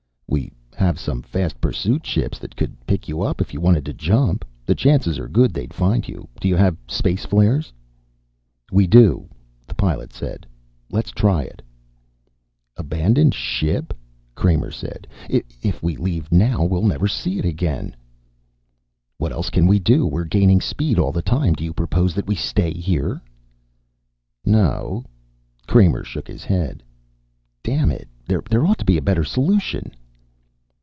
"We have some fast pursuit ships that could pick you up if you wanted to jump. The chances are good they'd find you. Do you have space flares?" "We do," the Pilot said. "Let's try it." "Abandon ship?" Kramer said. "If we leave now we'll never see it again." "What else can we do? We're gaining speed all the time. Do you propose that we stay here?" "No." Kramer shook his head. "Damn it, there ought to be a better solution."